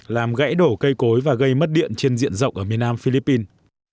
làm gãy đổ cây cối và gây mất điện trên diện rộng ở miền nam philippines